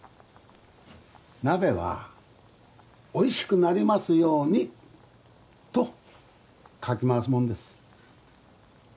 鍋はおいしくなりますようにとかき回すもんです